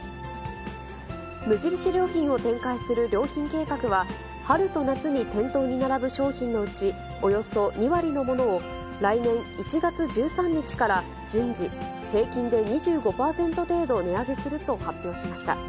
無印良品を展開する良品計画は、春と夏に店頭に並ぶ商品のうち、およそ２割のものを来年１月１３日から順次、平均で２５％程度値上げすると発表しました。